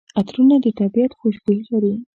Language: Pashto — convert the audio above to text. عطرونه د طبیعت خوشبويي لري.